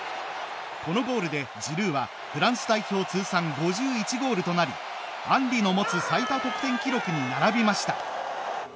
このゴールでジルーはフランス代表通算５１ゴールとなりアンリの持つ最多得点記録に並びました。